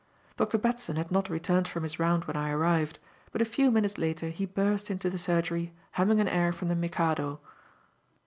Dr. Batson had not returned from his round when I arrived, but a few minutes later he burst into the surgery humming an air from the Mikado.